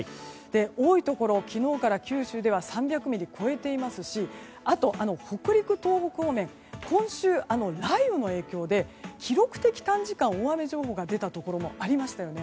多いところ、昨日から九州では３００ミリを超えてますしあと北陸、東北方面今週、雷雨の影響で記録的短時間大雨情報が出たところもありましたよね。